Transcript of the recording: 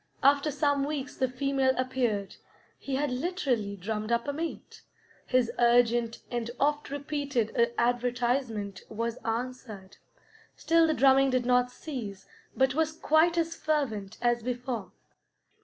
After some weeks the female appeared; he had literally drummed up a mate; his urgent and oft repeated advertisement was answered. Still the drumming did not cease, but was quite as fervent as before.